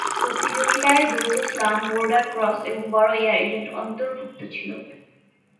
প্রতিযোগিতায় দ্বৈত slam, boarder cross এবং বড় এয়ার ইভেন্ট অন্তর্ভুক্ত ছিল।